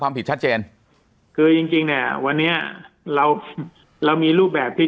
ผิดชัดเจนคือจริงจริงเนี่ยวันนี้เราเรามีรูปแบบที่